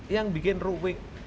yang bikin ruwik